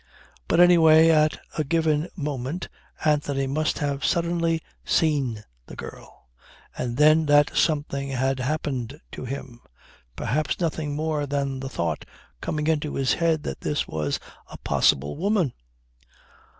But any way at a given moment Anthony must have suddenly seen the girl. And then, that something had happened to him. Perhaps nothing more than the thought coming into his head that this was "a possible woman."